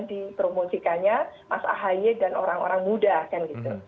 di promosikanya mas ahaye dan orang orang muda kan gitu